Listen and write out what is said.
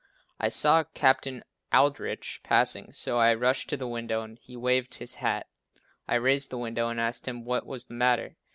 I saw Capt. Aldrich passing, so I rushed to the window and he waved his hat. I raised the window and asked him what was the matter?